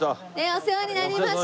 お世話になりました。